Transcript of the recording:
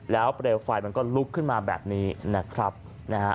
แล้วเปลวไฟมันก็ลุกขึ้นมาแบบนี้นะครับนะฮะ